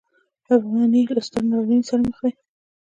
افغانۍ له ستر ناورین سره مخ ده.